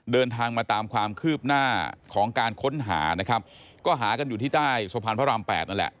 เดินทางมาตามความคืบหน้าของการค้นหานะครับก็หากันอยู่ที่ใต้สะพานพระราม๘นั่นแหละ